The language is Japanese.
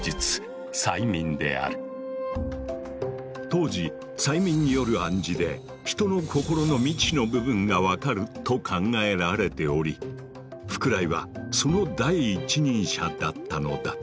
当時催眠による暗示で人の心の未知の部分が分かると考えられており福来はその第一人者だったのだ。